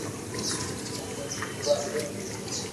اوني جھيلوا دي